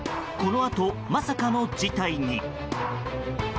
このあと、まさかの事態に。